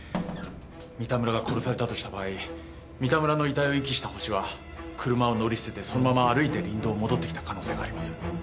三田村が殺されたとした場合三田村の遺体を遺棄したホシは車を乗り捨ててそのまま歩いて林道を戻ってきた可能性があります。